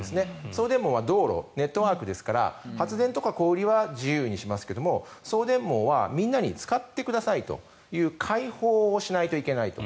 送電網は道路ネットワークですから発電とか小売りは自由にしますが送電網はみんなに使ってくださいという開放をしないといけないと。